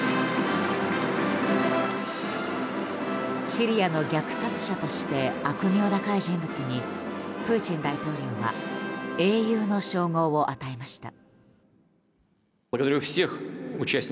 シリアの虐殺者として悪名高い人物にプーチン大統領は英雄の称号を与えました。